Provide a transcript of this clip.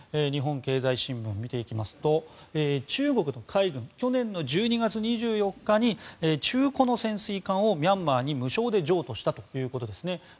日本経済新聞を見ていきますと中国の海軍去年の１２月２４日に中古の潜水艦をミャンマーに無償で譲渡したということですね。